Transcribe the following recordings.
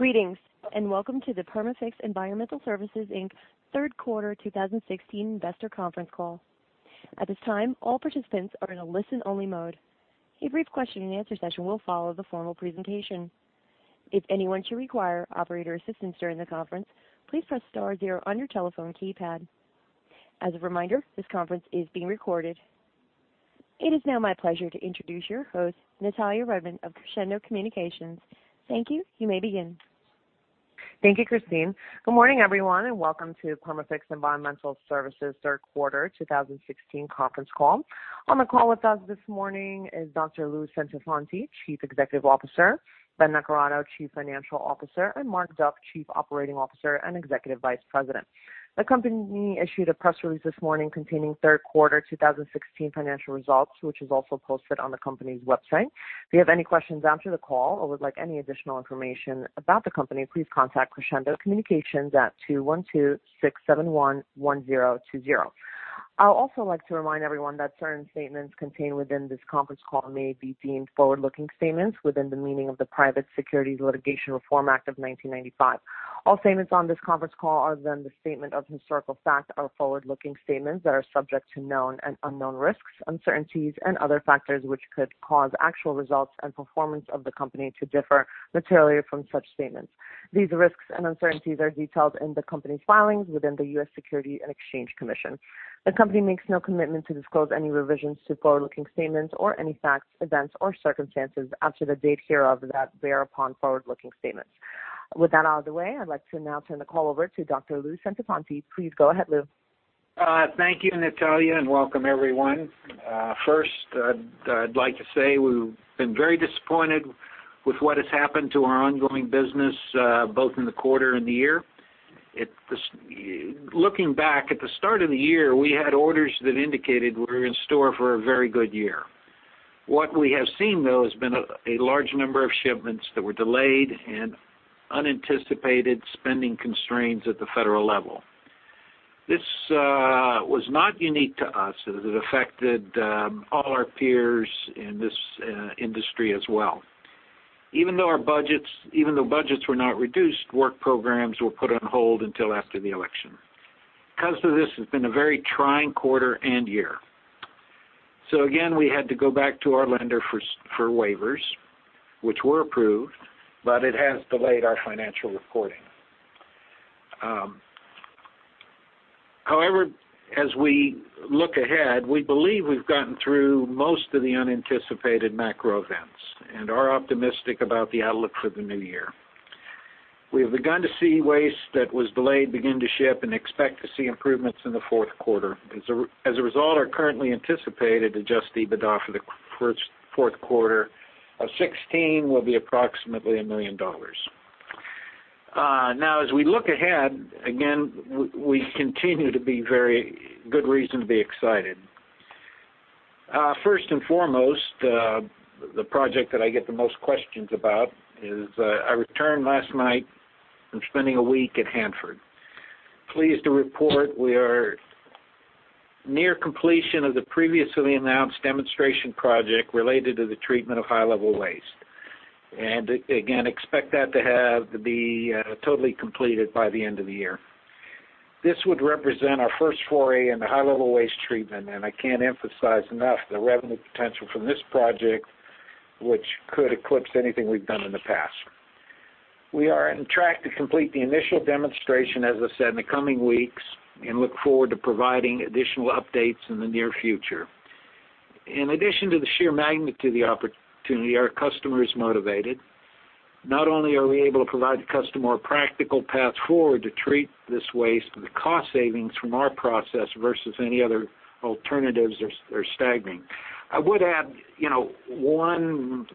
Greetings, welcome to the Perma-Fix Environmental Services Inc. Third Quarter 2016 Investor Conference Call. At this time, all participants are in a listen-only mode. A brief question and answer session will follow the formal presentation. If anyone should require operator assistance during the conference, please press star zero on your telephone keypad. As a reminder, this conference is being recorded. It is now my pleasure to introduce your host, Natalya Rudman of Crescendo Communications. Thank you. You may begin. Thank you, Christine. Good morning, everyone, welcome to Perma-Fix Environmental Services Third Quarter 2016 Conference Call. On the call with us this morning is Dr. Lou Centofanti, Chief Executive Officer, Ben Naccarato, Chief Financial Officer, and Mark Duff, Chief Operating Officer and Executive Vice President. The company issued a press release this morning containing third quarter 2016 financial results, which is also posted on the company's website. If you have any questions after the call or would like any additional information about the company, please contact Crescendo Communications at 212-671-1020. I'd also like to remind everyone that certain statements contained within this conference call may be deemed forward-looking statements within the meaning of the Private Securities Litigation Reform Act of 1995. All statements on this conference call are then the statement of historical fact are forward-looking statements that are subject to known and unknown risks, uncertainties, and other factors which could cause actual results and performance of the company to differ materially from such statements. These risks and uncertainties are detailed in the company's filings within the U.S. Securities and Exchange Commission. The company makes no commitment to disclose any revisions to forward-looking statements or any facts, events, or circumstances after the date hereof that bear upon forward-looking statements. With that out of the way, I'd like to now turn the call over to Dr. Lou Centofanti. Please go ahead, Lou. Thank you, Natalya, welcome everyone. First, I'd like to say we've been very disappointed with what has happened to our ongoing business, both in the quarter and the year. Looking back, at the start of the year, we had orders that indicated we were in store for a very good year. What we have seen, though, has been a large number of shipments that were delayed and unanticipated spending constraints at the federal level. This was not unique to us, as it affected all our peers in this industry as well. Even though budgets were not reduced, work programs were put on hold until after the election. Because of this, it's been a very trying quarter and year. Again, we had to go back to our lender for waivers, which were approved, but it has delayed our financial reporting. As we look ahead, we believe we've gotten through most of the unanticipated macro events and are optimistic about the outlook for the new year. We have begun to see waste that was delayed begin to ship and expect to see improvements in the fourth quarter. As a result, our currently anticipated adjusted EBITDA for the fourth quarter of 2016 will be approximately $1 million. As we look ahead, again, we continue to be very good reason to be excited. First and foremost, the project that I get the most questions about is, I returned last night from spending a week at Hanford. Pleased to report we are near completion of the previously announced demonstration project related to the treatment of high-level waste. Again, expect that to be totally completed by the end of the year. This would represent our first foray in the high-level waste treatment, I can't emphasize enough the revenue potential from this project, which could eclipse anything we've done in the past. We are on track to complete the initial demonstration, as I said, in the coming weeks, look forward to providing additional updates in the near future. In addition to the sheer magnitude of the opportunity, our customer is motivated. Not only are we able to provide the customer a practical path forward to treat this waste, but the cost savings from our process versus any other alternatives are staggering. I would add, one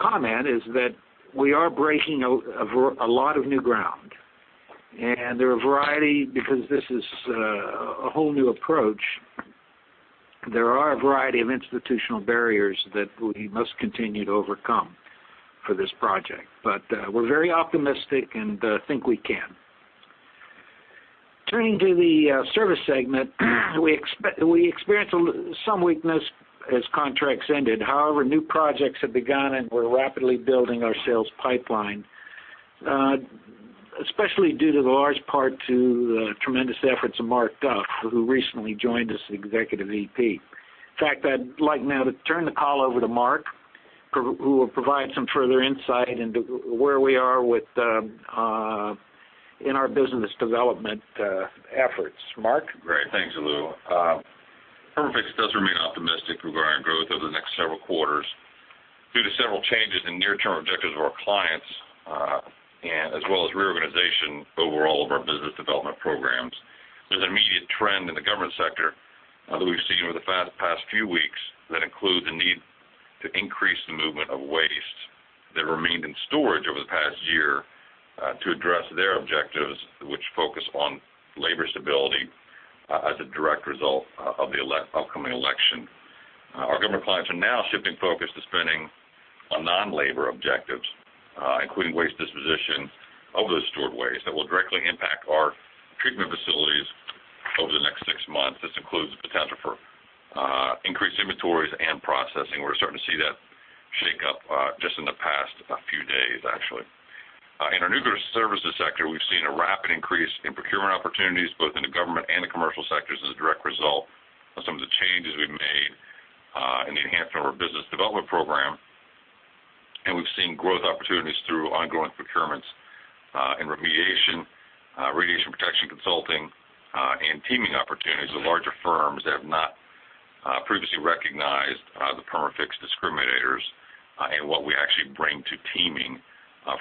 comment is that we are breaking a lot of new ground. There are a variety, because this is a whole new approach, there are a variety of institutional barriers that we must continue to overcome for this project. We're very optimistic and think we can. Turning to the service segment, we experienced some weakness as contracts ended. New projects have begun, and we're rapidly building our sales pipeline, especially due to the large part to the tremendous efforts of Mark Duff, who recently joined as Executive VP. In fact, I'd like now to turn the call over to Mark, who will provide some further insight into where we are in our business development efforts. Mark? Great. Thanks, Lou. Perma-Fix does remain optimistic regarding growth over the next several quarters due to several changes in near-term objectives of our clients, as well as reorganization overall of our business development programs. There's an immediate trend in the government sector that we've seen over the past few weeks that include the need to increase the movement of waste that remained in storage over the past year to address their objectives, which focus on labor stability as a direct result of the upcoming election. Our government clients are now shifting focus to spending on non-labor objectives, including waste disposition of those stored waste that will directly impact our treatment facilities. Over the next six months, this includes the potential for increased inventories and processing. We're starting to see that shake up just in the past few days, actually. In our nuclear services sector, we've seen a rapid increase in procurement opportunities, both in the government and the commercial sectors, as a direct result of some of the changes we've made in the enhancement of our business development program. We've seen growth opportunities through ongoing procurements in remediation, radiation protection consulting, and teaming opportunities with larger firms that have not previously recognized the Perma-Fix discriminators, and what we actually bring to teaming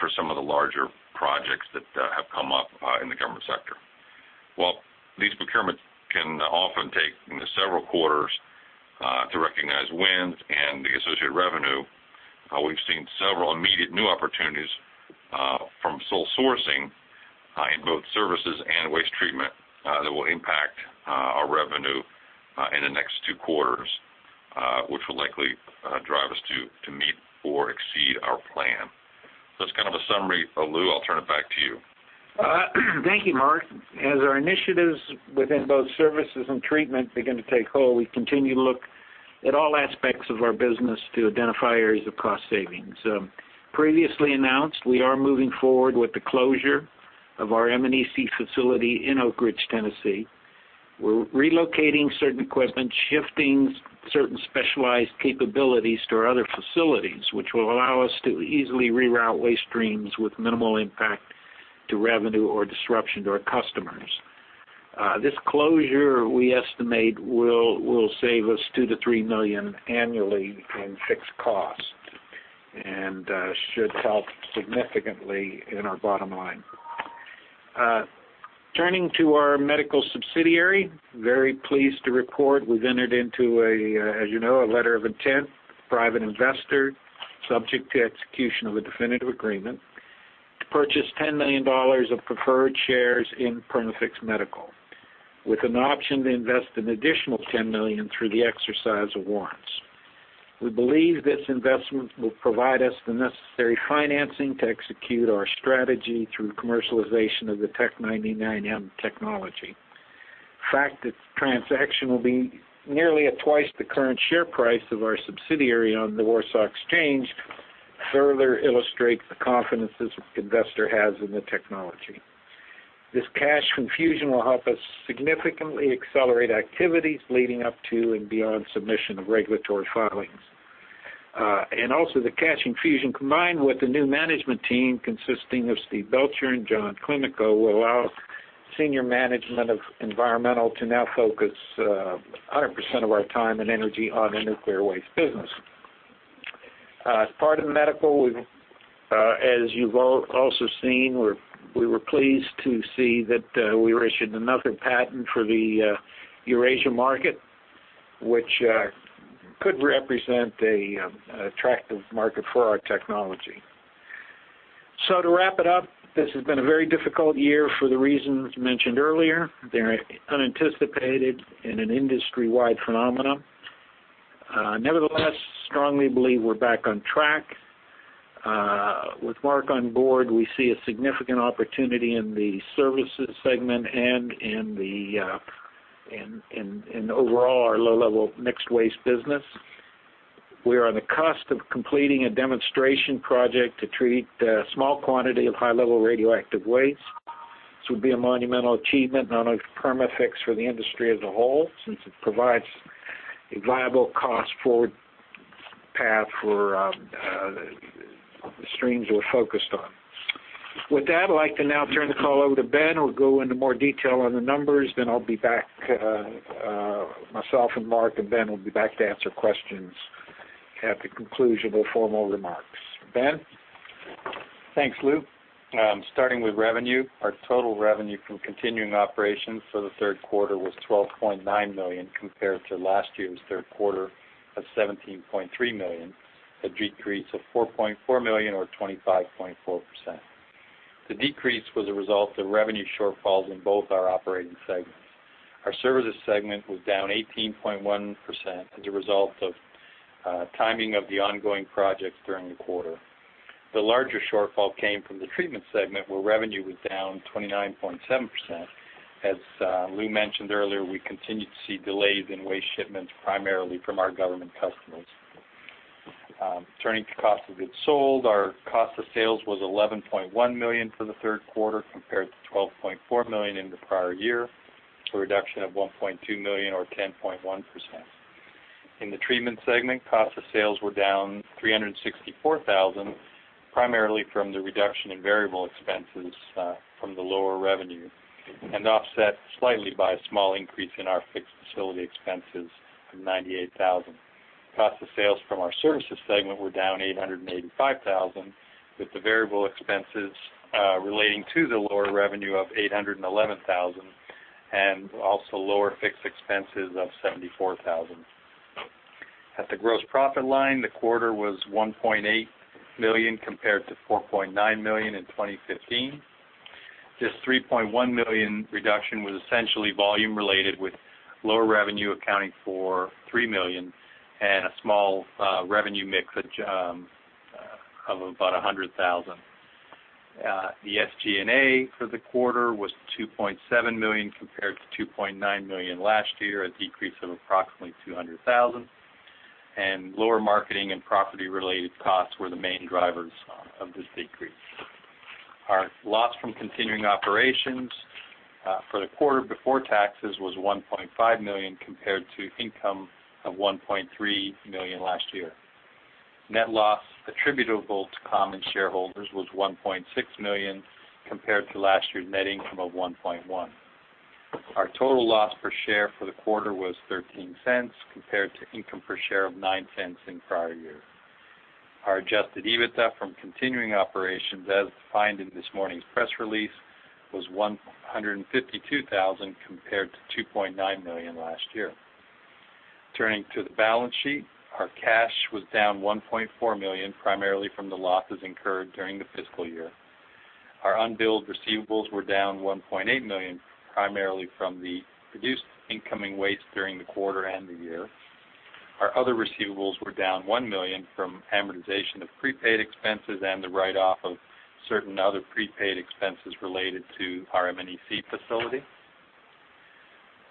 for some of the larger projects that have come up in the government sector. While these procurements can often take several quarters to recognize wins and the associate revenue, we've seen several immediate new opportunities from sole sourcing in both services and waste treatment that will impact our revenue in the next two quarters, which will likely drive us to meet or exceed our plan. That's kind of a summary. Lou, I'll turn it back to you. Thank you, Mark. As our initiatives within both services and treatment begin to take hold, we continue to look at all aspects of our business to identify areas of cost savings. Previously announced, we are moving forward with the closure of our M&EC facility in Oak Ridge, Tennessee. We're relocating certain equipment, shifting certain specialized capabilities to our other facilities, which will allow us to easily reroute waste streams with minimal impact to revenue or disruption to our customers. This closure, we estimate, will save us $2 million-$3 million annually in fixed costs, and should help significantly in our bottom line. Turning to our medical subsidiary, very pleased to report we've entered into a, as you know, letter of intent with a private investor, subject to execution of a definitive agreement, to purchase $10 million of preferred shares in Perma-Fix Medical, with an option to invest an additional $10 million through the exercise of warrants. We believe this investment will provide us the necessary financing to execute our strategy through commercialization of the Tc-99m technology. The fact that the transaction will be nearly at twice the current share price of our subsidiary on the Warsaw Exchange further illustrates the confidence this investor has in the technology. This cash infusion will help us significantly accelerate activities leading up to and beyond submission of regulatory filings. The cash infusion, combined with the new management team consisting of Steve Belcher and John Climaco, will allow senior management of Environmental to now focus 100% of our time and energy on the nuclear waste business. As part of medical, as you've also seen, we were pleased to see that we were issued another patent for the Eurasia market, which could represent an attractive market for our technology. To wrap it up, this has been a very difficult year for the reasons mentioned earlier. They're unanticipated and an industry-wide phenomenon. Nevertheless, strongly believe we're back on track. With Mark on board, we see a significant opportunity in the services segment and in overall our low-level mixed waste business. We are on the cusp of completing a demonstration project to treat a small quantity of high-level radioactive waste. This would be a monumental achievement, not only for Perma-Fix, for the industry as a whole, since it provides a viable cost-forward path for the streams we're focused on. With that, I'd like to now turn the call over to Ben, who'll go into more detail on the numbers. I'll be back, myself and Mark and Ben will be back to answer questions at the conclusion of the formal remarks. Ben? Thanks, Lou. Starting with revenue, our total revenue from continuing operations for the third quarter was $12.9 million compared to last year's third quarter of $17.3 million, a decrease of $4.4 million or 25.4%. The decrease was a result of revenue shortfalls in both our operating segments. Our services segment was down 18.1% as a result of timing of the ongoing projects during the quarter. The larger shortfall came from the treatment segment, where revenue was down 29.7%. As Lou mentioned earlier, we continued to see delays in waste shipments, primarily from our government customers. Turning to cost of goods sold, our cost of sales was $11.1 million for the third quarter compared to $12.4 million in the prior year, a reduction of $1.2 million or 10.1%. In the treatment segment, cost of sales were down $364,000, primarily from the reduction in variable expenses from the lower revenue, offset slightly by a small increase in our fixed facility expenses of $98,000. Cost of sales from our services segment were down $885,000, with the variable expenses relating to the lower revenue of $811,000, also lower fixed expenses of $74,000. At the gross profit line, the quarter was $1.8 million compared to $4.9 million in 2015. This $3.1 million reduction was essentially volume related, with lower revenue accounting for $3 million and a small revenue mix of about $100,000. The SG&A for the quarter was $2.7 million compared to $2.9 million last year, a decrease of approximately $200,000. Lower marketing and property-related costs were the main drivers of this decrease. Our loss from continuing operations for the quarter before taxes was $1.5 million compared to income of $1.3 million last year. Net loss attributable to common shareholders was $1.6 million compared to last year's net income of $1.1. Our total loss per share for the quarter was $0.13 compared to income per share of $0.09 in prior year. Our adjusted EBITDA from continuing operations, as defined in this morning's press release, was $152,000 compared to $2.9 million last year. Turning to the balance sheet, our cash was down $1.4 million, primarily from the losses incurred during the fiscal year. Our unbilled receivables were down $1.8 million, primarily from the reduced incoming waste during the quarter and the year. Our other receivables were down $1 million from amortization of prepaid expenses and the write-off of certain other prepaid expenses related to our M&EC facility.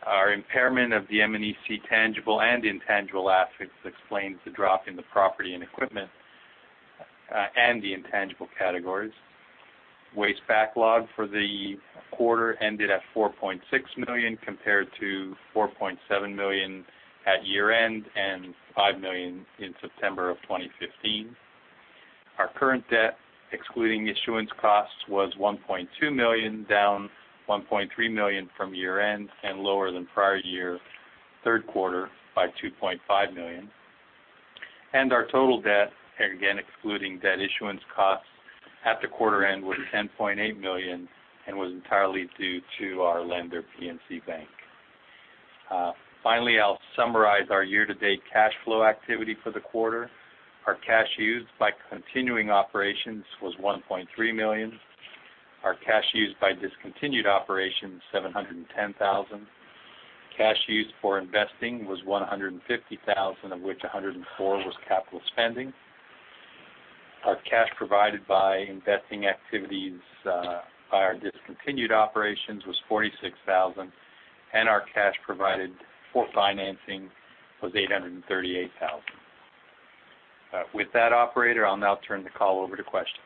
Our impairment of the M&EC tangible and intangible assets explains the drop in the property and equipment and the intangible categories. Waste backlog for the quarter ended at $4.6 million compared to $4.7 million at year-end, and $5 million in September of 2015. Our current debt, excluding issuance costs, was $1.2 million, down $1.3 million from year-end and lower than prior year third quarter by $2.5 million. Our total debt, again excluding debt issuance costs, at the quarter end was $10.8 million and was entirely due to our lender, PNC Bank. Finally, I'll summarize our year-to-date cash flow activity for the quarter. Our cash used by continuing operations was $1.3 million. Our cash used by discontinued operations, $710,000. Cash used for investing was $150,000, of which $104,000 was capital spending. Our cash provided by investing activities by our discontinued operations was $46,000, and our cash provided for financing was $838,000. With that, operator, I'll now turn the call over to questions.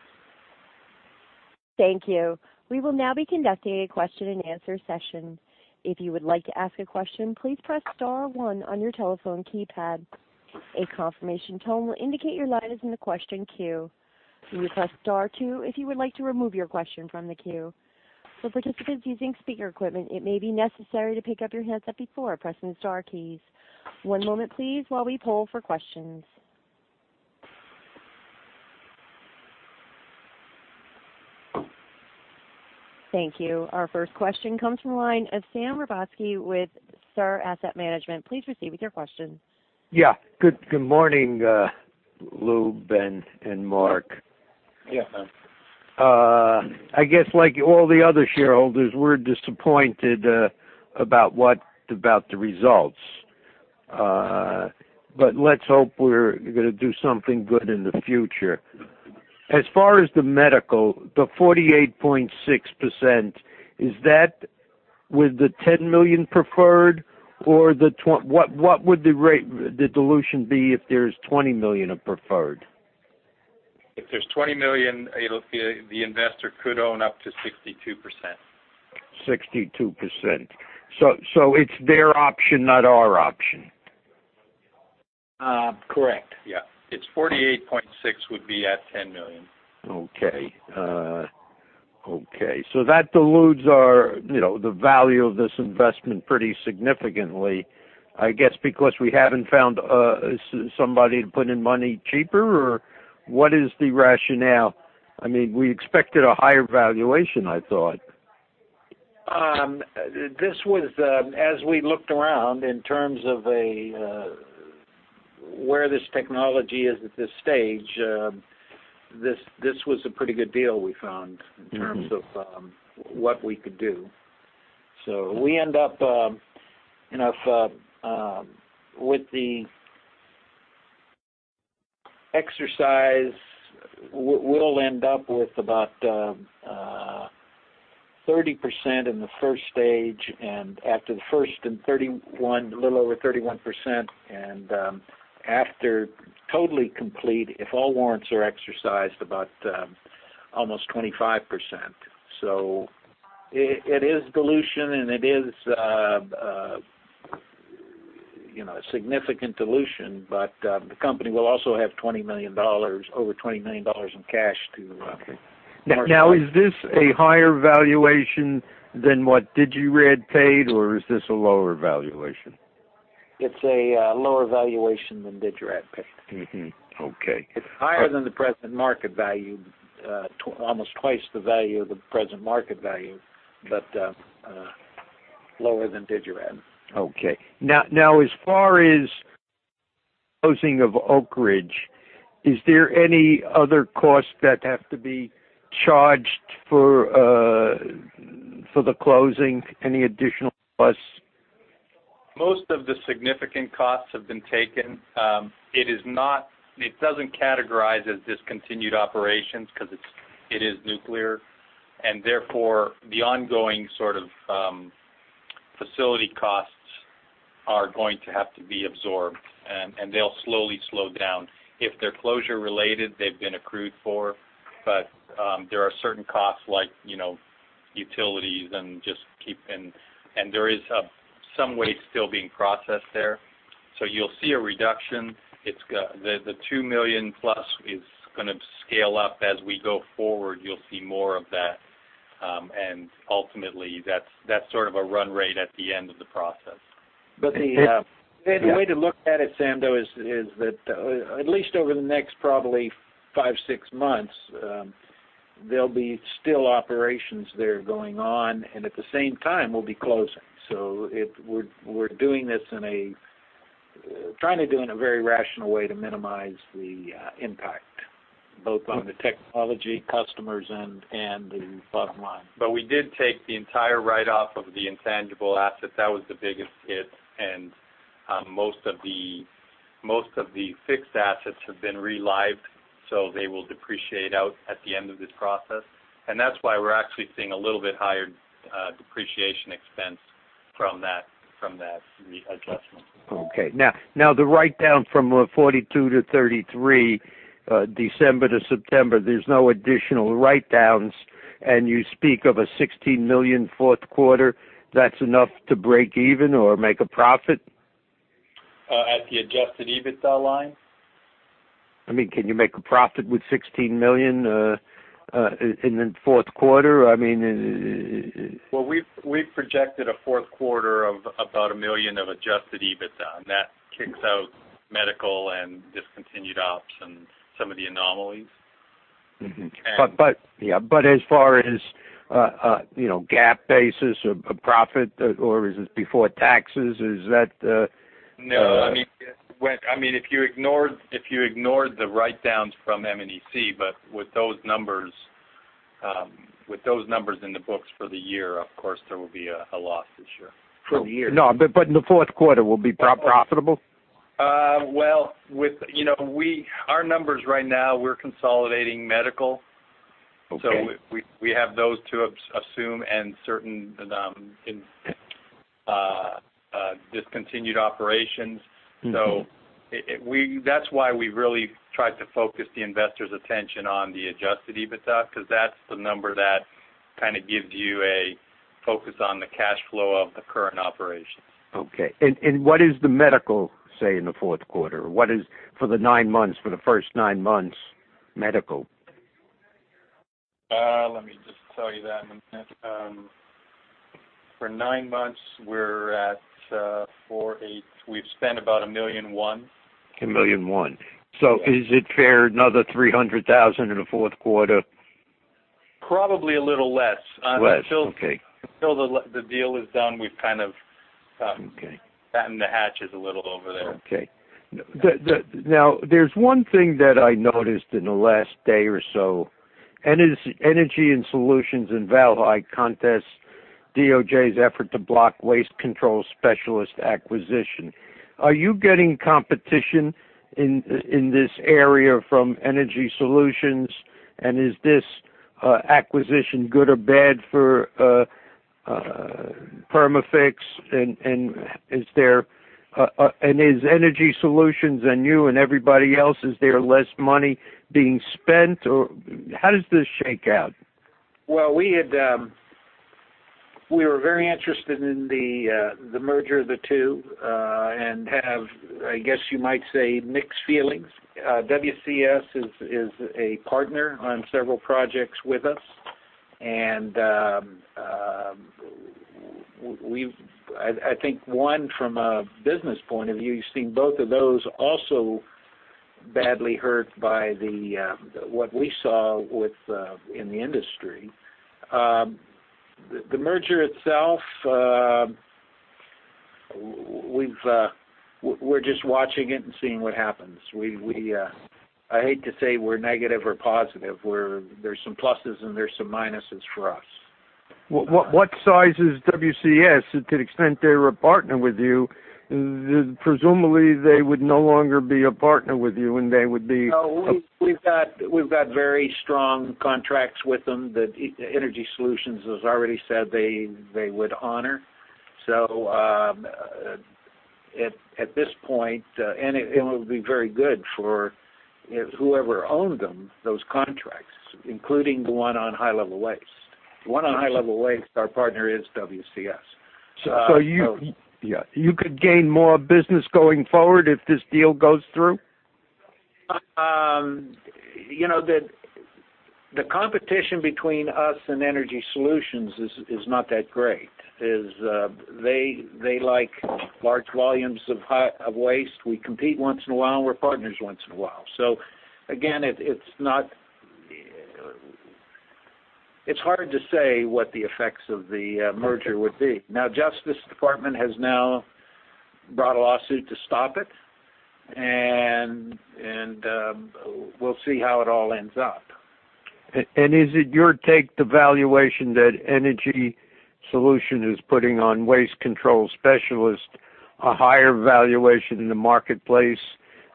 Thank you. We will now be conducting a question and answer session. If you would like to ask a question, please press star 1 on your telephone keypad. A confirmation tone will indicate your line is in the question queue. You may press star 2 if you would like to remove your question from the queue. For participants using speaker equipment, it may be necessary to pick up your handset before pressing the star keys. One moment please while we poll for questions. Thank you. Our first question comes from the line of Sam Hrabowski with SAR Asset Management. Please proceed with your question. Yeah. Good morning, Lou, Ben, and Mark. Yes, sir. I guess like all the other shareholders, we're disappointed about the results. Let's hope we're going to do something good in the future. As far as the medical, the 48.6%, is that with the $10 million preferred? What would the dilution be if there's $20 million of preferred? If there's $20 million, the investor could own up to 62%. 62%. It's their option, not our option. Correct. Yeah. Its 48.6 would be at $10 million. Okay. That dilutes the value of this investment pretty significantly, I guess because we haven't found somebody to put in money cheaper, or what is the rationale? We expected a higher valuation, I thought. As we looked around in terms of where this technology is at this stage, this was a pretty good deal we found in terms of what we could do. With the exercise, we'll end up with about 30% in the first stage, and after the first and a little over 31%, and after totally complete, if all warrants are exercised, about almost 25%. It is dilution, and it is a significant dilution. The company will also have over $20 million in cash to work with. Is this a higher valuation than what Digirad paid, or is this a lower valuation? It's a lower valuation than Digirad paid. Okay. It's higher than the present market value, almost twice the value of the present market value, but lower than Digirad. Okay. As far as closing of Oak Ridge, is there any other costs that have to be charged for the closing? Any additional plus? Most of the significant costs have been taken. It doesn't categorize as discontinued operations because it is nuclear, therefore, the ongoing facility costs are going to have to be absorbed, and they'll slowly slow down. If they're closure related, they've been accrued for, there are certain costs like utilities and just keeping. There is some waste still being processed there. You'll see a reduction. The $2 million plus is going to scale up. As we go forward, you'll see more of that, ultimately, that's sort of a run rate at the end of the process. The way to look at it, Sam, though, is that at least over the next probably five, six months, there'll be still operations there going on, at the same time, we'll be closing. We're trying to do it in a very rational way to minimize the impact, both on the technology customers and the bottom line. We did take the entire write-off of the intangible asset. That was the biggest hit. Most of the fixed assets have been re-lifed, they will depreciate out at the end of this process. That's why we're actually seeing a little bit higher depreciation expense from that re-adjustment. Okay. The write-down from $42 to $33, December to September, there's no additional write-downs. You speak of a $16 million fourth quarter. That's enough to break even or make a profit? At the adjusted EBITDA line? I mean, can you make a profit with $16 million in the fourth quarter? I mean, Well, we've projected a fourth quarter of about $1 million of adjusted EBITDA. That kicks out medical and discontinued ops and some of the anomalies. As far as GAAP basis of profit, or is this before taxes? Is that? No. If you ignored the write-downs from M&EC, but with those numbers in the books for the year, of course, there will be a loss this year. For the year. No, but in the fourth quarter, we'll be profitable? Well, our numbers right now, we're consolidating medical. Okay. We have those to assume and certain discontinued operations. That's why we really tried to focus the investors' attention on the adjusted EBITDA, because that's the number that kind of gives you a focus on the cash flow of the current operations. What is the medical, say, in the fourth quarter? What is for the first nine months medical? Let me just tell you that in a minute. For nine months, we've spent about $1,100,000. $1,100,000. Is it fair, another $300,000 in the fourth quarter? Probably a little less. Less, okay. Until the deal is done, we've kind of. Okay battened the hatches a little over there. Okay. There's one thing that I noticed in the last day or so, EnergySolutions and Valhi contests DOJ's effort to block Waste Control Specialists acquisition. Are you getting competition in this area from EnergySolutions? Is this acquisition good or bad for Perma-Fix? Is EnergySolutions and you and everybody else, is there less money being spent, or how does this shake out? Well, we were very interested in the merger of the two, and have, I guess you might say, mixed feelings. WCS is a partner on several projects with us. I think one, from a business point of view, you've seen both of those also badly hurt by what we saw in the industry. The merger itself, we're just watching it and seeing what happens. I hate to say we're negative or positive, where there's some pluses and there's some minuses for us. What size is WCS to the extent they were partnered with you? Presumably, they would no longer be a partner with you, they would be- We've got very strong contracts with them that EnergySolutions has already said they would honor. At this point, it will be very good for whoever owned them, those contracts, including the one on high-level waste. The one on high-level waste, our partner is WCS. You could gain more business going forward if this deal goes through? The competition between us and EnergySolutions is not that great. They like large volumes of waste. We compete once in a while, and we're partners once in a while. Again, it's hard to say what the effects of the merger would be. The Justice Department has now brought a lawsuit to stop it, and we'll see how it all ends up. Is it your take, the valuation that EnergySolutions is putting on Waste Control Specialists, a higher valuation in the marketplace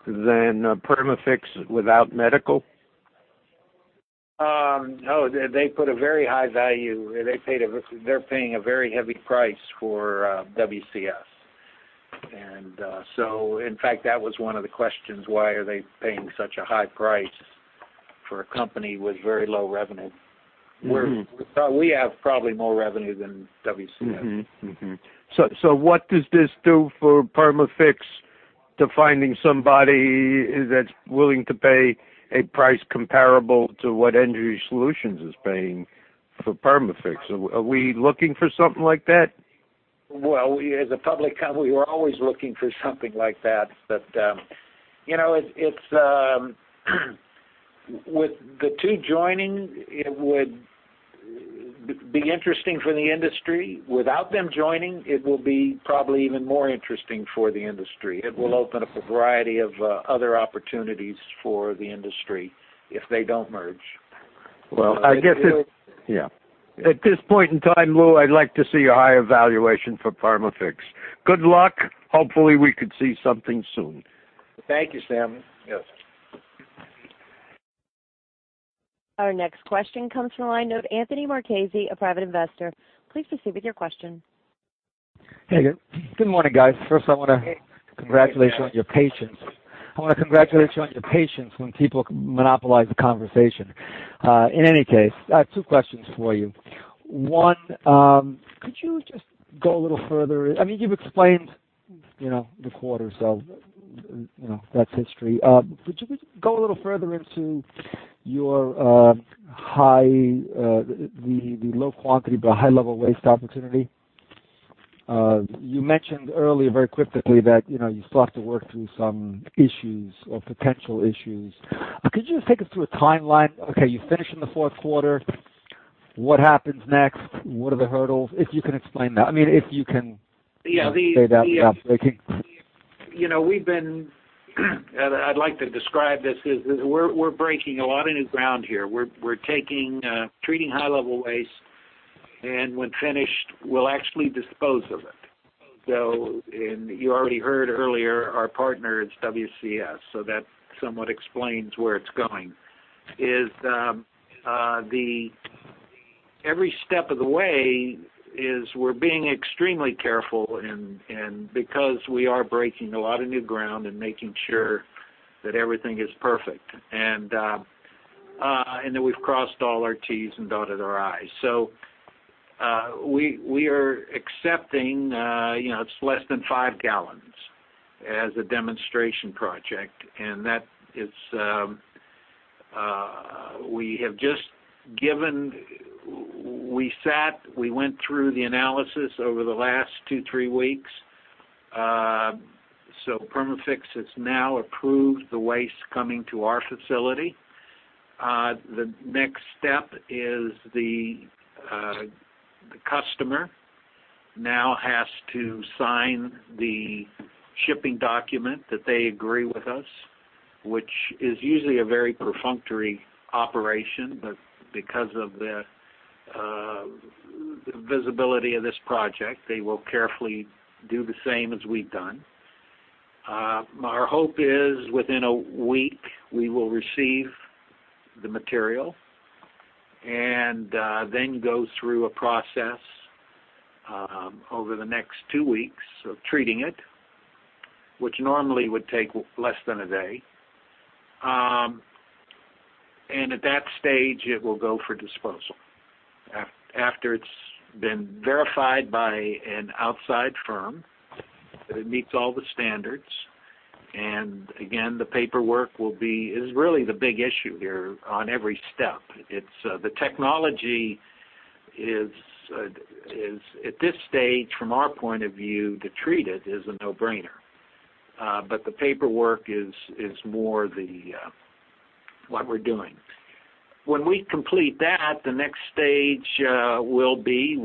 than Perma-Fix without medical? No, they put a very high value. They're paying a very heavy price for WCS. In fact, that was one of the questions, why are they paying such a high price for a company with very low revenue? We have probably more revenue than WCS. What does this do for Perma-Fix to finding somebody that's willing to pay a price comparable to what EnergySolutions is paying for Perma-Fix? Are we looking for something like that? Well, as a public company, we're always looking for something like that. With the two joining, it would be interesting for the industry. Without them joining, it will be probably even more interesting for the industry. It will open up a variety of other opportunities for the industry if they don't merge. Well, I guess Yeah. At this point in time, Lou, I'd like to see a higher valuation for Perma-Fix. Good luck. Hopefully, we could see something soon. Thank you, Sam. Yep. Our next question comes from the line of Anthony Marchese, a private investor. Please proceed with your question. Hey there. Good morning, guys. First, I want to congratulate you on your patience when people monopolize the conversation. In any case, I have two questions for you. One, could you just go a little further I mean, you've explained the quarter, so that's history. Could we go a little further into your low quantity but high level waste opportunity? You mentioned earlier very cryptically that you still have to work through some issues or potential issues. Could you just take us through a timeline? Okay, you finish in the fourth quarter. What happens next? What are the hurdles? If you can explain that, I mean, Yeah say that without breaking. I'd like to describe this as we're breaking a lot of new ground here. We're treating high-level waste, and when finished, we'll actually dispose of it. You already heard earlier, our partner is WCS, so that somewhat explains where it's going, is every step of the way is we're being extremely careful and because we are breaking a lot of new ground and making sure that everything is perfect, and that we've crossed all our T's and dotted our I's. We are accepting, it's less than five gallons as a demonstration project, and we have just given, we went through the analysis over the last two, three weeks. Perma-Fix has now approved the waste coming to our facility. The next step is the customer now has to sign the shipping document that they agree with us, which is usually a very perfunctory operation, but because of the visibility of this project, they will carefully do the same as we've done. Our hope is within a week, we will receive the material and then go through a process over the next two weeks of treating it, which normally would take less than a day. At that stage, it will go for disposal. After it's been verified by an outside firm that it meets all the standards, and again, the paperwork is really the big issue here on every step. The technology is, at this stage, from our point of view, to treat it is a no-brainer, but the paperwork is more what we're doing. When we complete that, the next stage will be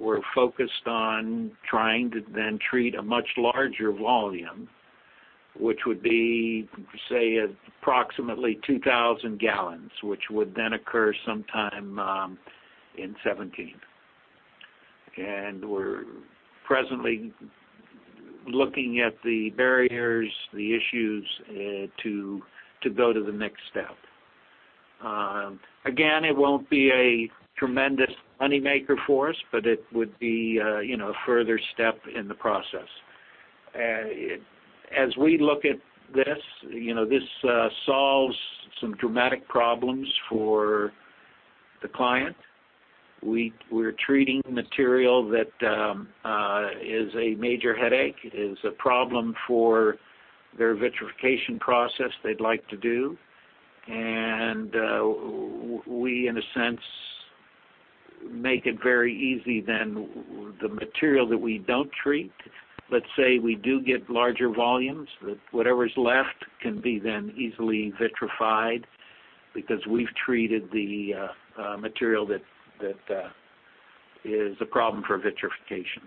we're focused on trying to then treat a much larger volume, which would be, say, approximately 2,000 gallons, which would then occur sometime in 2017. We're presently looking at the barriers, the issues to go to the next step. Again, it won't be a tremendous moneymaker for us, but it would be a further step in the process. As we look at this solves some dramatic problems for the client. We're treating material that is a major headache, is a problem for their vitrification process they'd like to do, and we in a sense make it very easy then the material that we don't treat, let's say we do get larger volumes, that whatever's left can be then easily vitrified because we've treated the material that is a problem for vitrification.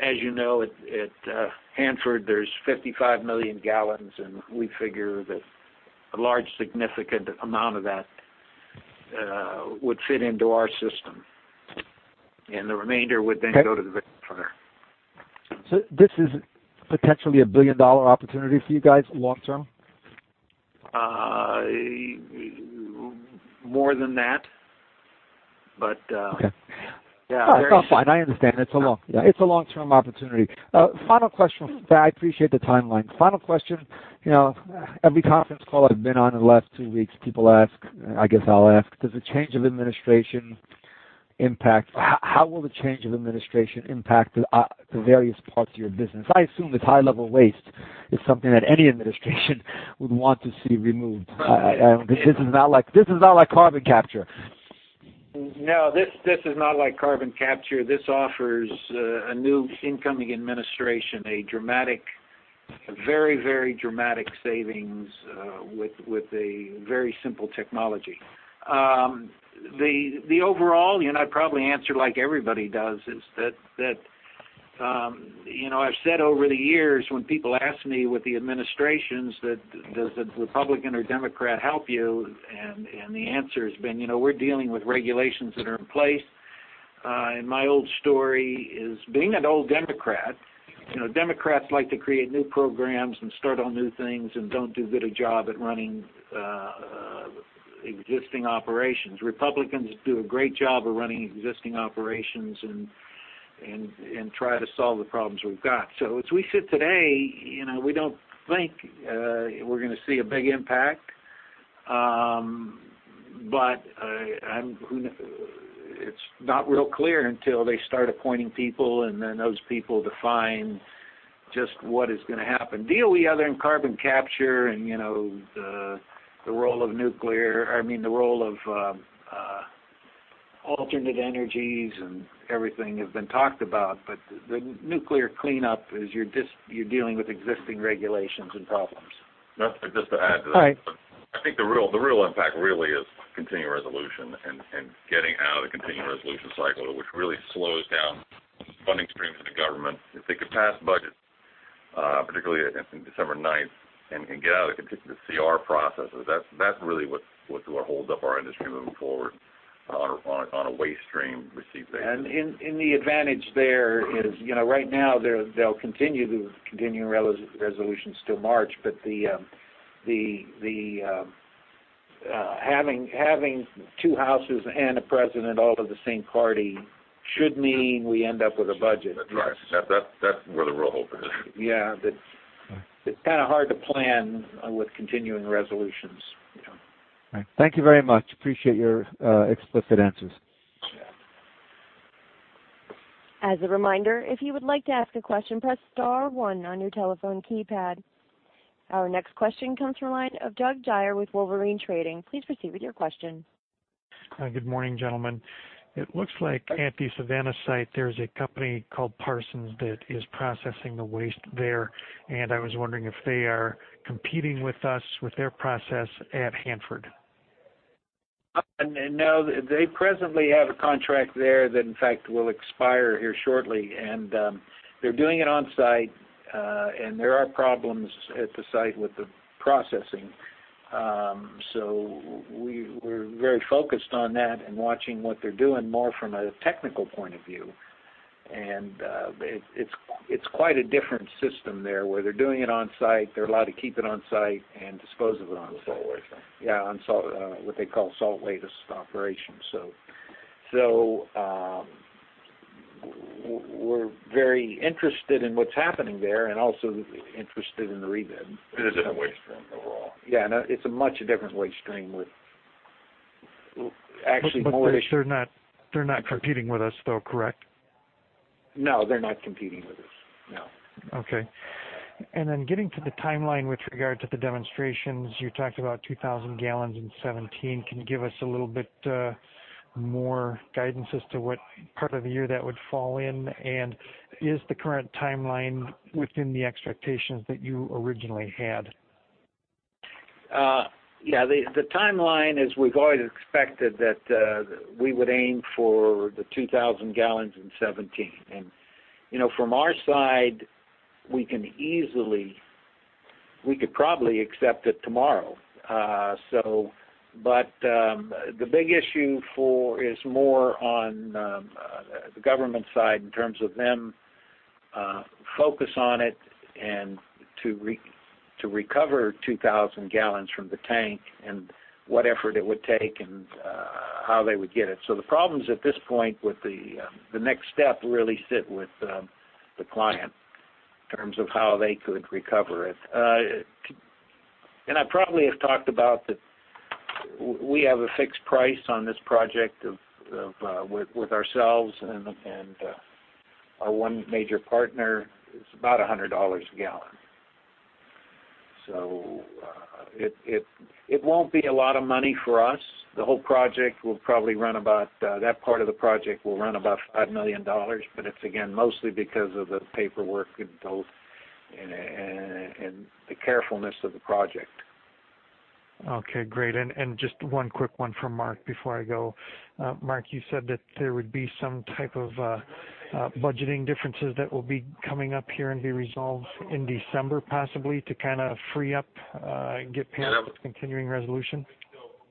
As you know, at Hanford, there's 55 million gallons, and we figure that a large significant amount of that would fit into our system. The remainder would then go to the vitrifier. This is potentially a billion-dollar opportunity for you guys long term? More than that. Okay. Yeah, No, it's all fine. I understand. It's a long-term opportunity. Final question. I appreciate the timeline. Final question. Every conference call I've been on in the last two weeks, people ask, I guess I'll ask, How will the change of administration impact the various parts of your business? I assume that high level waste is something that any administration would want to see removed. Right. This is not like carbon capture. No, this is not like carbon capture. This offers a new incoming administration a very dramatic savings, with a very simple technology. The overall, I'd probably answer like everybody does, is that I've said over the years when people ask me with the administrations, does the Republican or Democrat help you? The answer has been, we're dealing with regulations that are in place. My old story is being an old Democrat. Democrats like to create new programs and start on new things and don't do a good job at running existing operations. Republicans do a great job of running existing operations and try to solve the problems we've got. As we sit today, we don't think we're going to see a big impact. It's not real clear until they start appointing people, and then those people define just what is going to happen. DOE, other than carbon capture and the role of alternate energies and everything have been talked about, but the nuclear cleanup is you're dealing with existing regulations and problems. Just to add to that. All right. I think the real impact really is Continuing Resolution and getting out of the Continuing Resolution cycle, which really slows down funding streams for the government. If they could pass budgets, particularly December 9th, and can get out of the CR processes, that's really what holds up our industry moving forward on a waste stream receipts basis. The advantage there is right now, they'll continue the Continuing Resolutions till March, but having two Houses and a President, all of the same party should mean we end up with a budget. That's right. That's where the real hope is. Yeah. It's kind of hard to plan with continuing resolutions. Right. Thank you very much. Appreciate your explicit answers. Yeah. As a reminder, if you would like to ask a question, press star one on your telephone keypad. Our next question comes from the line of Doug Dire with Wolverine Trading. Please proceed with your question. Hi, good morning, gentlemen. It looks like at the Savannah River Site, there's a company called Parsons that is processing the waste there. I was wondering if they are competing with us with their process at Hanford. No. They presently have a contract there that, in fact, will expire here shortly. They're doing it on-site, and there are problems at the site with the processing. We're very focused on that and watching what they're doing more from a technical point of view. It's quite a different system there where they're doing it on-site. They're allowed to keep it on-site and dispose of it on-site. The salt waste, right? Yeah, on what they call salt waste operations. We're very interested in what's happening there and also interested in the rebid. It is a different waste stream overall. Yeah. It's a much different waste stream with actually more- They're not competing with us, though, correct? No, they're not competing with us. No. Okay. Then getting to the timeline with regard to the demonstrations, you talked about 2,000 gallons in 2017. Can you give us a little bit more guidance as to what part of the year that would fall in? Is the current timeline within the expectations that you originally had? Yeah. The timeline, as we've always expected, that we would aim for the 2,000 gallons in 2017. From our side, we could probably accept it tomorrow. The big issue is more on the government side in terms of them focus on it and to recover 2,000 gallons from the tank and what effort it would take and how they would get it. The problems at this point with the next step really sit with the client in terms of how they could recover it. I probably have talked about that we have a fixed price on this project with ourselves and our one major partner. It's about $100 a gallon. It won't be a lot of money for us. That part of the project will run about $5 million, it's, again, mostly because of the paperwork and the carefulness of the project. Okay, great. Just one quick one from Mark before I go. Mark, you said that there would be some type of budgeting differences that will be coming up here and be resolved in December, possibly to kind of free up, get past- Yeah the continuing resolution.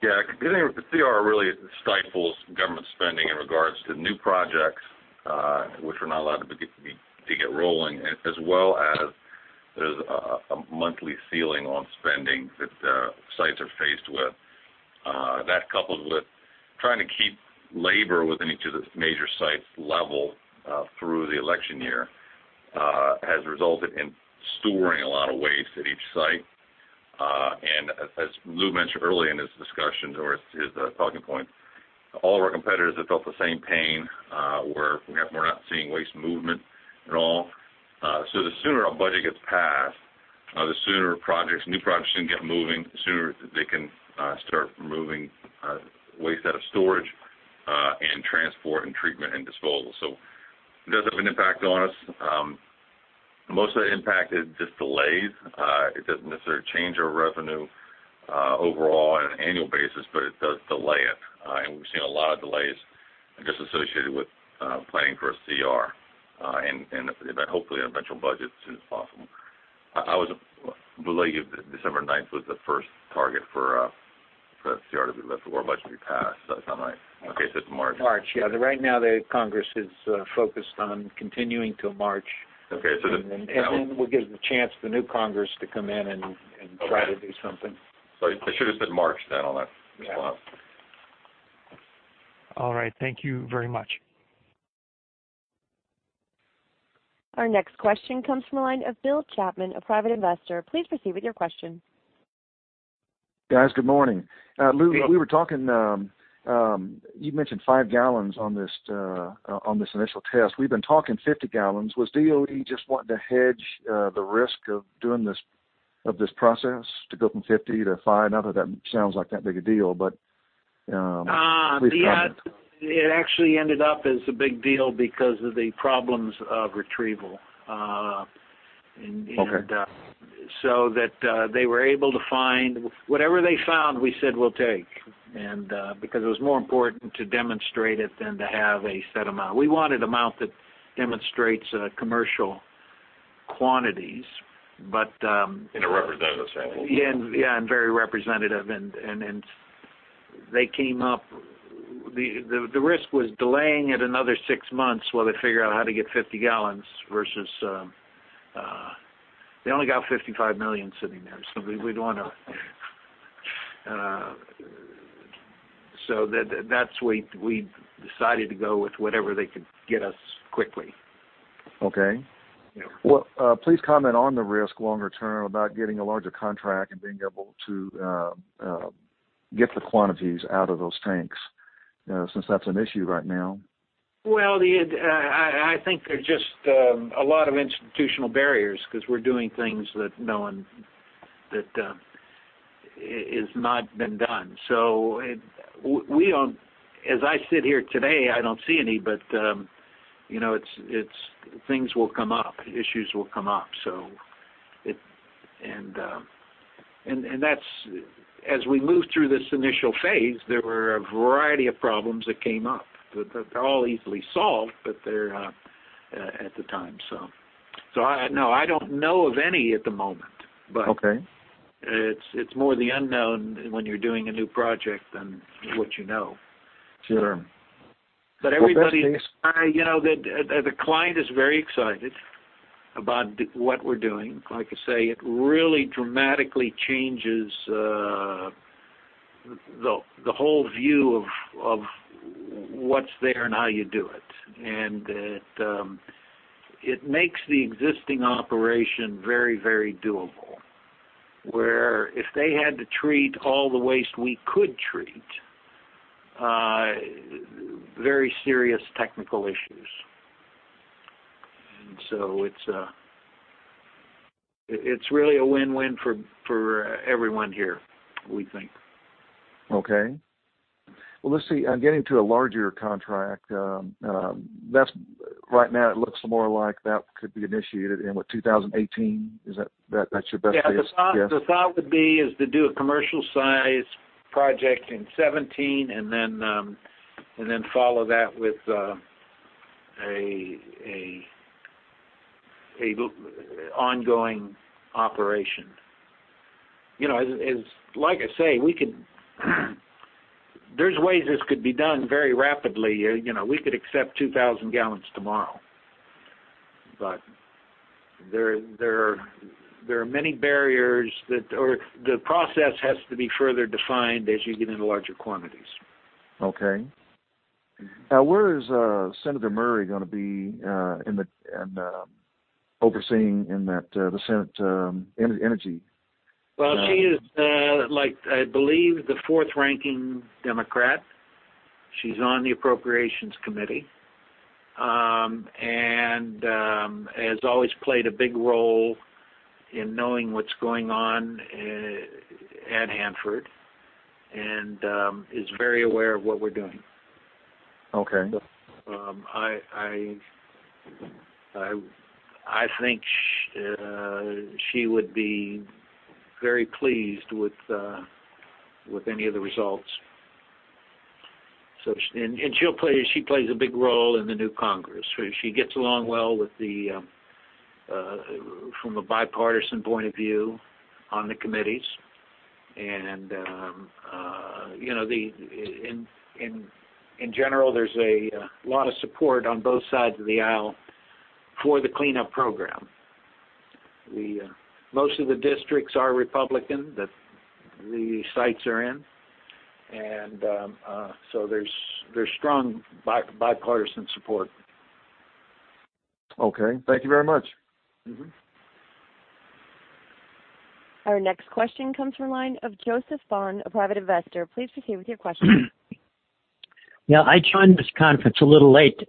Yeah. Continuing with the CR really stifles government spending in regards to new projects, which we're not allowed to get rolling, as well as there's a monthly ceiling on spending that sites are faced with. That coupled with trying to keep labor within each of the major sites level, through the election year, has resulted in storing a lot of waste at each site. As Lou mentioned early in his discussions or his talking point, all of our competitors have felt the same pain, where we're not seeing waste movement at all. The sooner our budget gets passed, the sooner new projects can get moving, the sooner they can start moving waste out of storage, and transport, and treatment, and disposal. It does have an impact on us. Most of the impact is just delays. It doesn't necessarily change our revenue, overall on an annual basis, but it does delay it. We've seen a lot of delays just associated with planning for a CR, and hopefully an eventual budget as soon as possible. I was believed December 9th was the first target for a CR to be left or a budget to be passed. Does that sound right? Okay, said to March. March. Yeah. Right now, the Congress is focused on continuing till March. Okay. We'll give the chance for the new Congress to come in and try to do something. Okay. It should've said March then on that response. Yeah. All right. Thank you very much. Our next question comes from the line of Bill Chapman, a private investor. Please proceed with your question. Guys, good morning. Good day. Lou, you mentioned five gallons on this initial test. We've been talking 50 gallons. Was DoD just wanting to hedge the risk of doing this process to go from 50 to five? I know that that sounds like that big a deal, please comment. It actually ended up as a big deal because of the problems of retrieval. Okay. That they were able to find-- Whatever they found, we said we'll take. Because it was more important to demonstrate it than to have a set amount. We want an amount that demonstrates commercial quantities. In a representative sample. Yeah. Very representative. The risk was delaying it another six months while they figure out how to get 50 gallons versus, they only got 55 million sitting there. That's why we decided to go with whatever they could get us quickly. Okay. Yeah. Please comment on the risk longer term about getting a larger contract and being able to get the quantities out of those tanks, since that's an issue right now. I think there's just a lot of institutional barriers because we're doing things that has not been done. As I sit here today, I don't see any, but things will come up, issues will come up. As we move through this initial phase, there were a variety of problems that came up. They're all easily solved, but they're, at the time. No, I don't know of any at the moment. Okay it's more the unknown when you're doing a new project than what you know. Sure. The client is very excited about what we're doing. Like I say, it really dramatically changes the whole view of what's there and how you do it. It makes the existing operation very doable, where if they had to treat all the waste we could treat, very serious technical issues. It's really a win-win for everyone here, we think. Okay. Well, let's see. Getting to a larger contract, right now it looks more like that could be initiated in what, 2018? That's your best guess? Yeah. The thought would be is to do a commercial size project in 2017 and then follow that with an ongoing operation. Like I say, there's ways this could be done very rapidly. We could accept 2,000 gallons tomorrow. There are many barriers. The process has to be further defined as you get into larger quantities. Okay. Where is Senator Murray going to be overseeing in the Senate energy? Well, she is, I believe the fourth ranking Democrat. She's on the Appropriations Committee. Has always played a big role in knowing what's going on at Hanford and is very aware of what we're doing. Okay. She would be very pleased with any of the results. She plays a big role in the new Congress. She gets along well from a bipartisan point of view on the committees. In general, there's a lot of support on both sides of the aisle for the cleanup program. Most of the districts are Republican, that the sites are in, there's strong bipartisan support. Okay. Thank you very much. Our next question comes from the line of Joseph Vaughn, a private investor. Please proceed with your question. Yeah, I joined this conference a little late,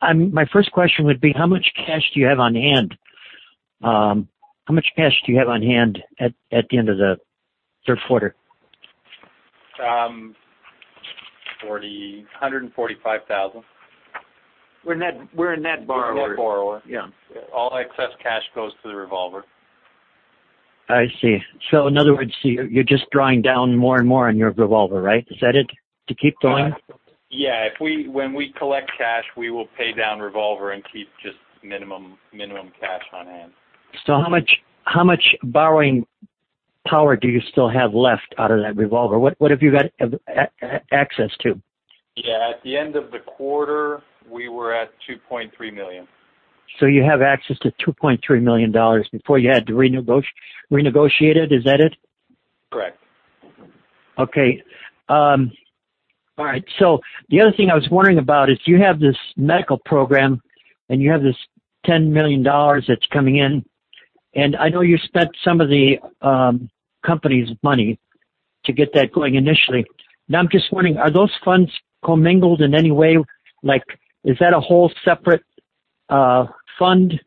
my first question would be, how much cash do you have on hand? How much cash do you have on hand at the end of the third quarter? A hundred and forty-five thousand. We're a net borrower. We're a net borrower. Yeah. All excess cash goes to the revolver. I see. In other words, you're just drawing down more and more on your revolver, right? Is that it, to keep going? Yeah. When we collect cash, we will pay down revolver and keep just minimum cash on hand. How much borrowing power do you still have left out of that revolver? What have you got access to? Yeah. At the end of the quarter, we were at $2.3 million. You have access to $2.3 million before you had to renegotiate it. Is that it? Correct. Okay. All right. The other thing I was wondering about is you have this medical program, and you have this $10 million that's coming in, and I know you spent some of the company's money to get that going initially. Now, I'm just wondering, are those funds commingled in any way? Is that a whole separate fund,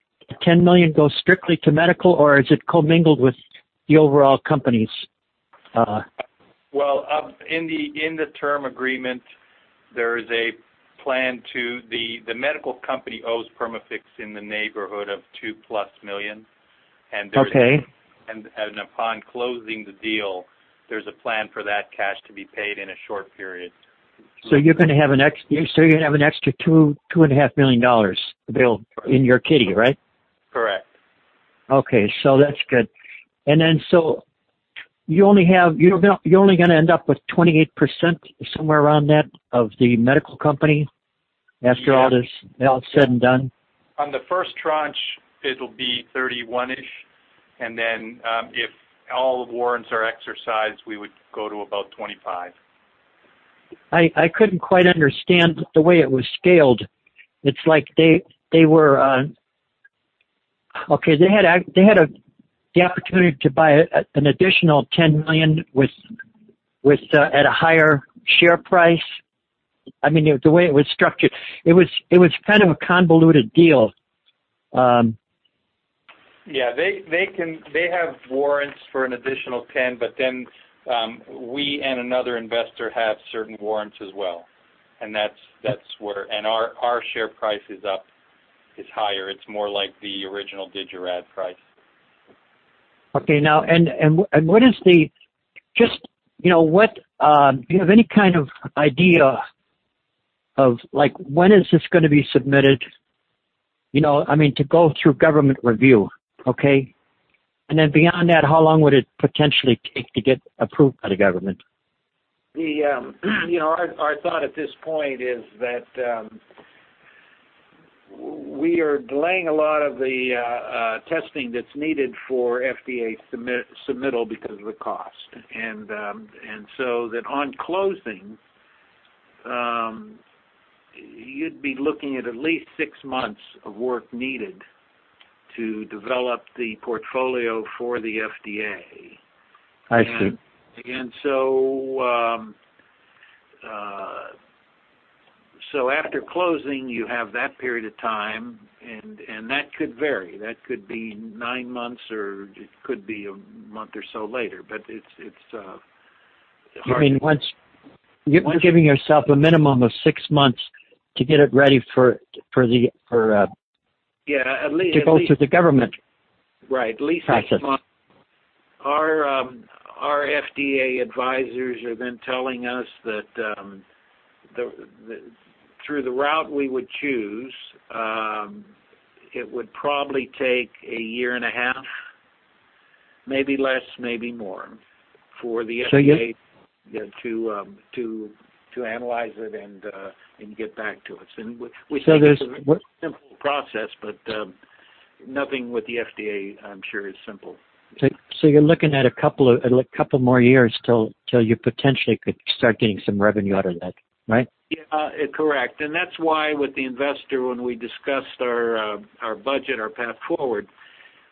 $10 million goes strictly to medical, or is it commingled with the overall companies? Well, in the term agreement, the medical company owes Perma-Fix in the neighborhood of $2-plus million. Okay. Upon closing the deal, there's a plan for that cash to be paid in a short period. You're going to have an extra $2.5 million available in your kitty, right? Correct. That's good. You're only going to end up with 28%, somewhere around that, of the medical company after all is said and done? On the first tranche, it'll be 31-ish, and then if all the warrants are exercised, we would go to about 25. I couldn't quite understand the way it was scaled. They had the opportunity to buy an additional 10 million at a higher share price. I mean, the way it was structured, it was kind of a convoluted deal. They have warrants for an additional 10, we and another investor have certain warrants as well. Our share price is higher. It is more like the original Digirad price. Okay. Do you have any kind of idea of when is this going to be submitted to go through government review? Okay. Beyond that, how long would it potentially take to get approved by the government? Our thought at this point is that we are delaying a lot of the testing that is needed for FDA submittal because of the cost. That on closing, you would be looking at least six months of work needed to develop the portfolio for the FDA. I see. After closing, you have that period of time, and that could vary. That could be 9 months, or it could be a month or so later. You mean, you're giving yourself a minimum of 6 months to get it ready to go through the. Right. At least 6 months process. Our FDA advisors have been telling us that through the route we would choose, it would probably take a year and a half, maybe less, maybe more, for the. So you- yeah, to analyze it and get back to us. We think it's a very simple process, but nothing with the FDA, I'm sure is simple. You're looking at a couple more years till you potentially could start getting some revenue out of that, right? Yeah. Correct. That's why with the investor, when we discussed our budget, our path forward,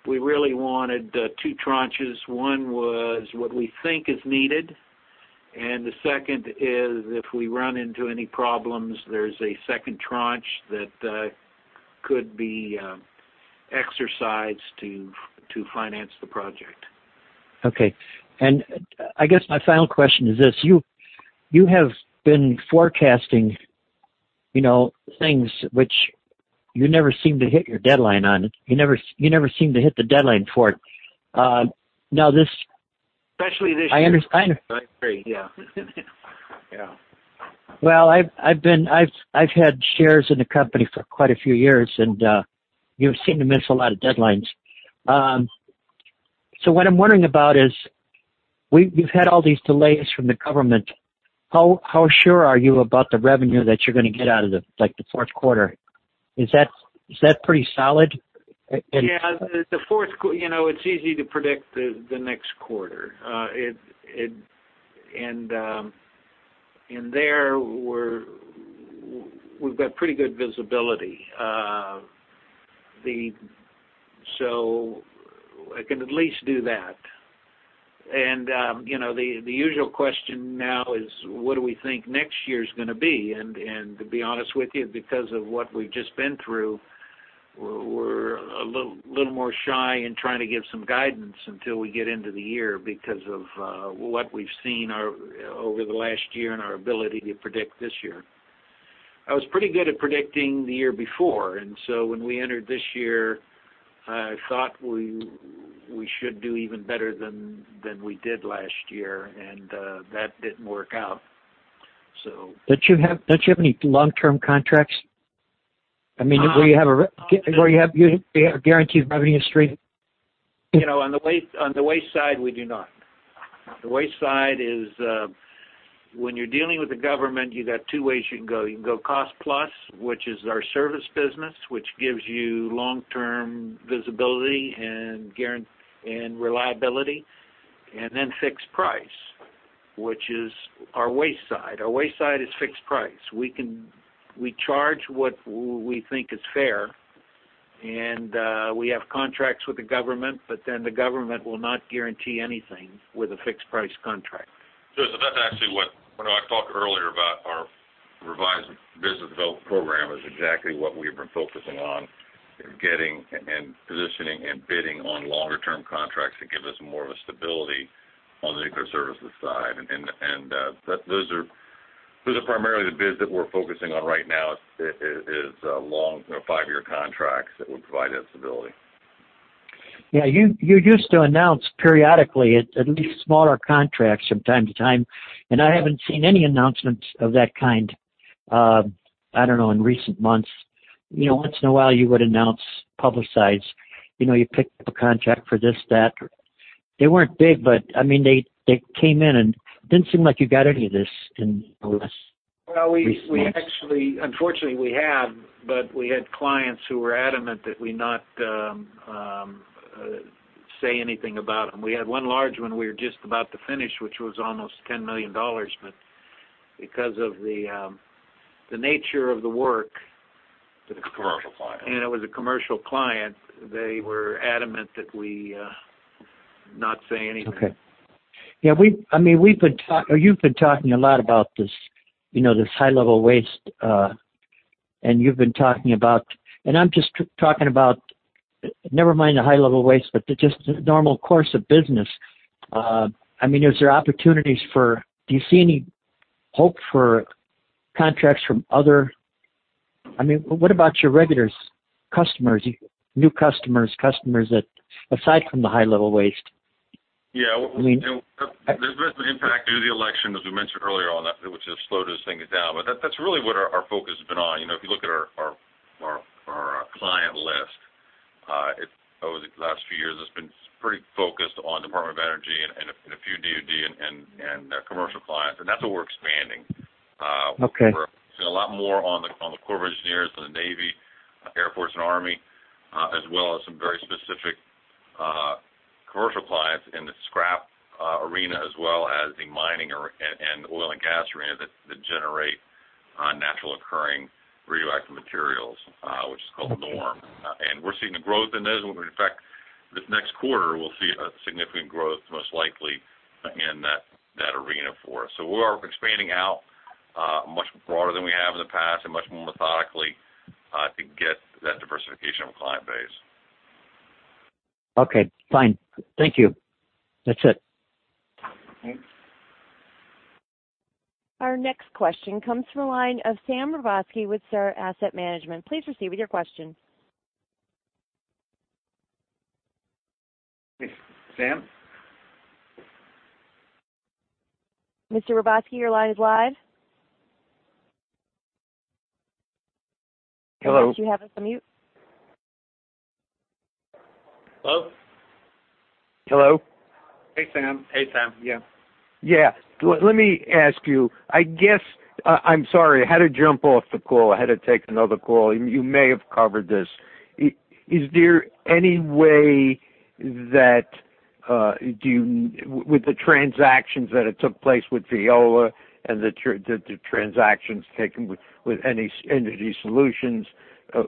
we really wanted two tranches. One was what we think is needed, and the second is if we run into any problems, there's a second tranche that could be exercised to finance the project. Okay. I guess my final question is this. You have been forecasting things which you never seem to hit your deadline on. You never seem to hit the deadline for it. Especially this year. I understand. I agree, yeah. I've had shares in the company for quite a few years, you've seemed to miss a lot of deadlines. What I'm wondering about is, we've had all these delays from the government. How sure are you about the revenue that you're going to get out of the fourth quarter? Is that pretty solid? Yeah. It's easy to predict the next quarter. There, we've got pretty good visibility. I can at least do that. The usual question now is, what do we think next year's going to be? To be honest with you, because of what we've just been through, we're a little more shy in trying to give some guidance until we get into the year because of what we've seen over the last year and our ability to predict this year. I was pretty good at predicting the year before, when we entered this year, I thought we should do even better than we did last year, that didn't work out. Don't you have any long-term contracts? I mean, where you have a guaranteed revenue stream? On the waste side, we do not. The waste side is, when you're dealing with the government, you got two ways you can go. You can go cost plus, which is our service business, which gives you long-term visibility and reliability, and then fixed price, which is our waste side. Our waste side is fixed price. We charge what we think is fair, and we have contracts with the government, but then the government will not guarantee anything with a fixed price contract. Joseph, that's actually what, when I talked earlier about our revised business development program, is exactly what we've been focusing on, getting and positioning and bidding on longer term contracts that give us more of a stability on the nuclear services side. Those are primarily the bids that we're focusing on right now is long, five-year contracts that would provide that stability. Yeah, you used to announce periodically at least smaller contracts from time to time, and I haven't seen any announcements of that kind, I don't know, in recent months. Once in a while you would announce, publicize, you picked up a contract for this, that. They weren't big, but they came in and didn't seem like you got any of this in the last recent months. Well, unfortunately we have, but we had clients who were adamant that we not say anything about them. We had one large one we were just about to finish, which was almost $10 million, because of the nature of the work. It was a commercial client. It was a commercial client, they were adamant that we not say anything. Okay. You've been talking a lot about this high level waste, I'm just talking about, never mind the high level waste, but just the normal course of business. Is there opportunities for, do you see any hope for contracts from other What about your regulars, customers, new customers, aside from the high level waste? Yeah. There's been an impact due to the election, as we mentioned earlier on, which has slowed those things down, but that's really what our focus has been on. If you look at our client list, over the last few years, it's been pretty focused on Department of Energy and a few DoD and commercial clients, that's what we're expanding. Okay. We're seeing a lot more on the Corps of Engineers and the Navy, Air Force, and Army, as well as some very specific commercial clients in the scrap arena, as well as the mining and oil and gas arena that generate natural occurring radioactive materials, which is called NORM. We're seeing a growth in those. In fact, this next quarter, we'll see a significant growth, most likely, again, that arena for us. We are expanding out much broader than we have in the past and much more methodically to get that diversification of a client base. Okay, fine. Thank you. That's it. Thanks. Our next question comes from the line of Sam Rebotsky with SAR Asset Management. Please proceed with your question. Sam? Mr. Rebotsky, your line is live. Hello? I think you have us on mute. Hello? Hello? Hey, Sam. Yeah. Yeah. Let me ask you. I'm sorry. I had to jump off the call. I had to take another call. You may have covered this. Is there any way that, with the transactions that had took place with Veolia and the transactions taken with EnergySolutions,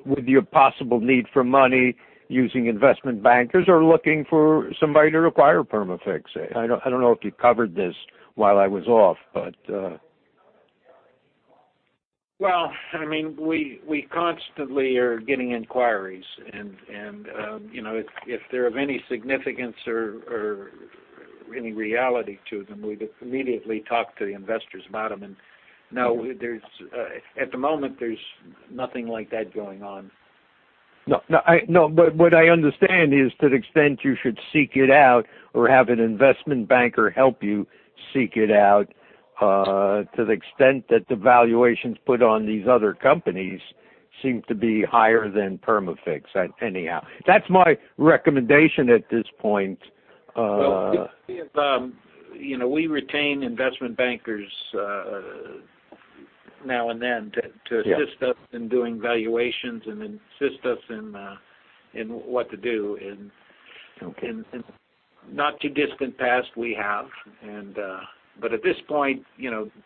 with your possible need for money using investment bankers or looking for somebody to acquire Perma-Fix? I don't know if you covered this while I was off, but Well, we constantly are getting inquiries, and if they're of any significance or any reality to them, we immediately talk to the investors about them. No, at the moment, there's nothing like that going on. No. What I understand is to the extent you should seek it out or have an investment banker help you seek it out, to the extent that the valuations put on these other companies seem to be higher than Perma-Fix. Anyhow, that's my recommendation at this point. Well, we retain investment bankers now and then to assist us. Yeah in doing valuations and assist us in what to do. Okay. In not too distant past, we have. At this point,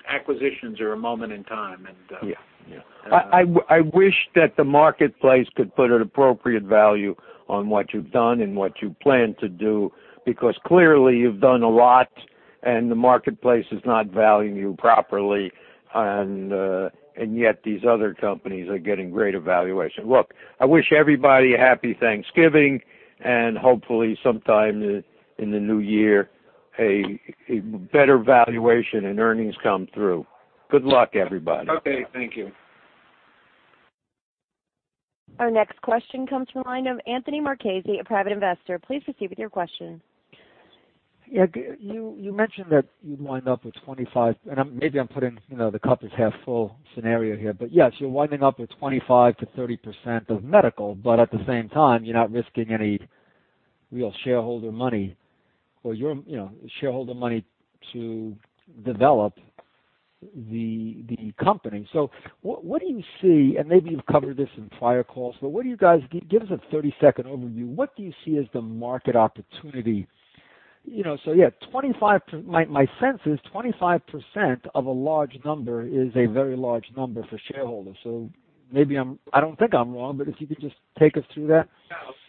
acquisitions are a moment in time. Yeah. I wish that the marketplace could put an appropriate value on what you've done and what you plan to do, because clearly you've done a lot, and the marketplace is not valuing you properly, and yet these other companies are getting greater valuation. Look, I wish everybody a happy Thanksgiving, and hopefully sometime in the new year, a better valuation and earnings come through. Good luck, everybody. Okay, thank you. Our next question comes from the line of Anthony Marchese, a private investor. Please proceed with your question. Yeah. You mentioned that you'd wind up with 25%, and maybe I'm putting the cup is half full scenario here, but yes, you're winding up with 25%-30% of medical, but at the same time, you're not risking any real shareholder money, or your shareholder money to develop the company. What do you see, and maybe you've covered this in prior calls, but give us a 30-second overview. What do you see as the market opportunity? My sense is 25% of a large number is a very large number for shareholders. I don't think I'm wrong, but if you could just take us through that.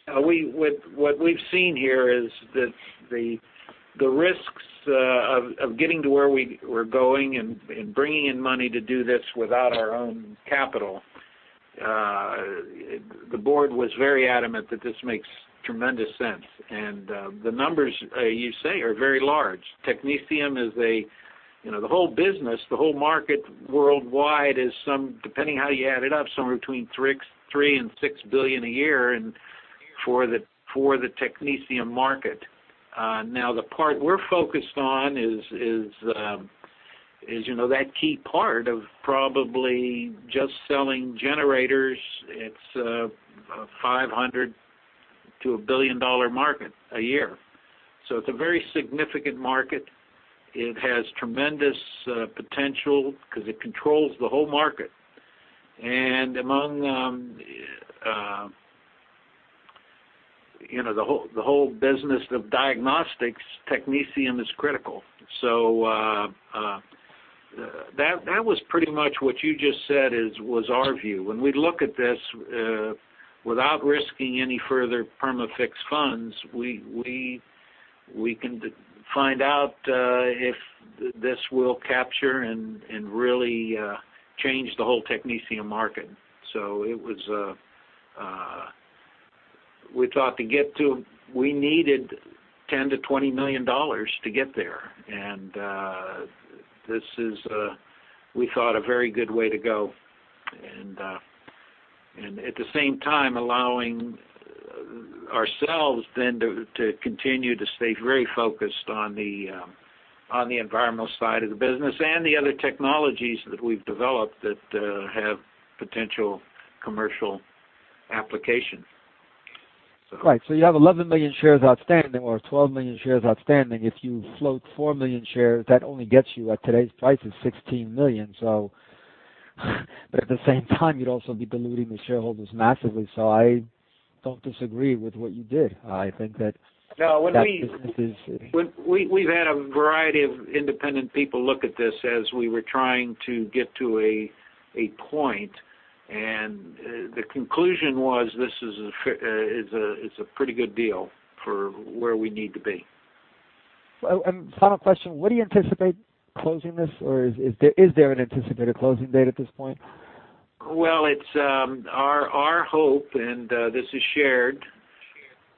What we've seen here is that the risks of getting to where we were going and bringing in money to do this without our own capital, the board was very adamant that this makes tremendous sense. The numbers you say are very large. Technetium is a The whole business, the whole market worldwide is, depending on how you add it up, somewhere between $3 billion and $6 billion a year for the technetium market. Now, the part we're focused on is that key part of probably just selling generators. It's a $500 million to $1 billion market a year. It's a very significant market. It has tremendous potential because it controls the whole market. Among the whole business of diagnostics, technetium is critical. That was pretty much what you just said was our view. When we look at this, without risking any further Perma-Fix funds, we can find out if this will capture and really change the whole technetium market. We needed $10 million to $20 million to get there, and this is, we thought, a very good way to go. At the same time allowing ourselves then to continue to stay very focused on the environmental side of the business and the other technologies that we've developed that have potential commercial application. Right. You have 11 million shares outstanding or 12 million shares outstanding. If you float 4 million shares, that only gets you, at today's prices, 16 million. At the same time, you'd also be diluting the shareholders massively. I don't disagree with what you did. I think that- No, we- that business is- We've had a variety of independent people look at this as we were trying to get to a point, and the conclusion was this is a pretty good deal for where we need to be. Final question, when do you anticipate closing this, or is there an anticipated closing date at this point? Well, our hope, and this is shared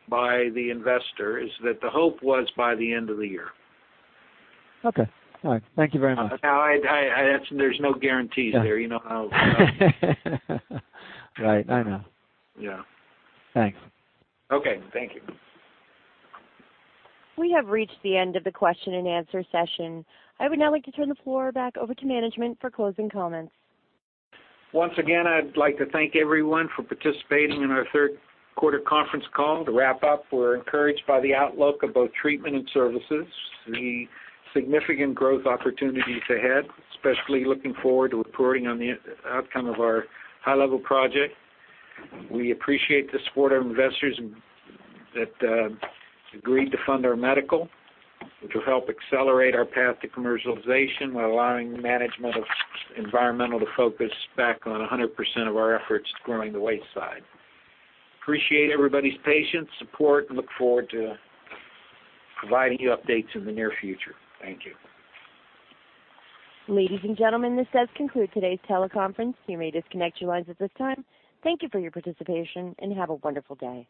by the investor, is that the hope was by the end of the year. Okay. All right. Thank you very much. Now, there's no guarantees there. You know how Right. I know. Yeah. Thanks. Okay. Thank you. We have reached the end of the question and answer session. I would now like to turn the floor back over to management for closing comments. Once again, I'd like to thank everyone for participating in our third quarter conference call. To wrap up, we're encouraged by the outlook of both treatment and services, the significant growth opportunities ahead, especially looking forward to reporting on the outcome of our high-level project. We appreciate the support of investors that agreed to fund our Medical, which will help accelerate our path to commercialization while allowing management of Environmental to focus back on 100% of our efforts growing the waste side. Appreciate everybody's patience, support, and look forward to providing you updates in the near future. Thank you. Ladies and gentlemen, this does conclude today's teleconference. You may disconnect your lines at this time. Thank you for your participation, and have a wonderful day.